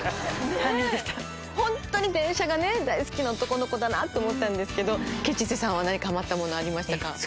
ホントに電車が大好きな男の子だなと思ったんですけど吉瀬さんは何かハマったものありましたか？